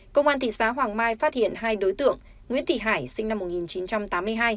công an thị xã hoàng mai phát hiện hai đối tượng nguyễn thị hải sinh năm một nghìn chín trăm tám mươi hai